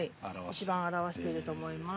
一番表してると思います。